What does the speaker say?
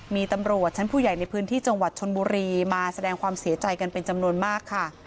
มีตำรวจชั้นผู้ใหญ่ในพื้นที่จังหวัดชนบุรีมาแสดงความเสียใจกันเป็นจำนวนมากค่ะ